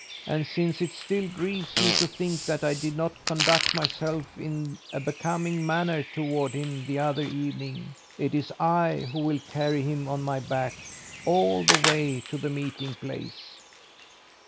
And since it still grieves me to think that I did not conduct myself in a becoming manner toward him the other evening, it is I who will carry him on my back all the way to the meeting place."